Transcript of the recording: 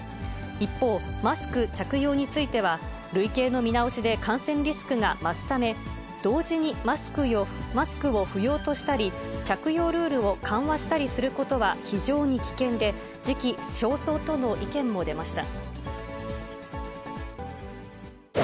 一方、マスク着用については、類型の見直しで感染リスクが増すため、同時にマスクを不要としたり着用ルールを緩和したりすることは非常に危険で、時期尚早との意見も出ました。